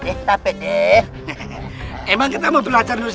deh capek deh hehehe emang kita mau belajar nulis